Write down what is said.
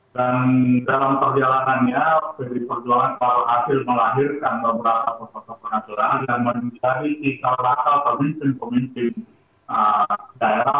dan dalam perjalanannya pd perjuangan baru hasil melahirkan beberapa sosok penasaran yang menjadi tikal bakal pemimpin pemimpin daerah